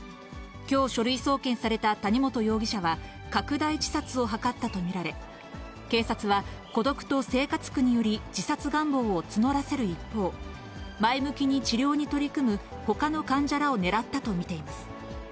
きょう書類送検された谷本容疑者は、拡大自殺を図ったと見られ、警察は、孤独と生活苦により、自殺願望を募らせる一方、前向きに治療に取り組むほかの患者らを狙ったと見ています。